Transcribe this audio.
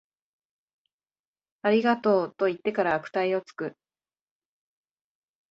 ありがとう、と言ってから悪態をつく